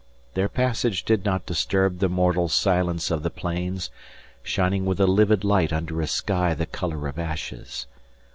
Their passage did not disturb the mortal silence of the plains, shining with a livid light under a sky the colour of ashes.